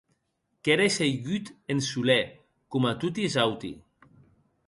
Qu’ère seigut en solèr coma toti es auti.